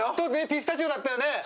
ピスタチオだったよね。